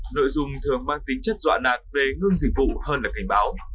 nội dung thường mang tính chất dọa nạt về ngưng dịch vụ hơn là cảnh báo